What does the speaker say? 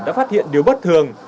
đã phát hiện điều bất thường